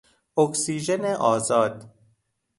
اکسیژن آزاد